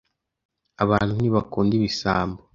Abantu ntibakunda ibisambo